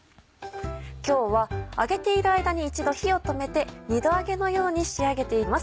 今日は揚げている間に一度火を止めて二度揚げのように仕上げています。